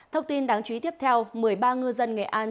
thông tin đáng chú ý tiếp theo một mươi ba ngư dân nghệ an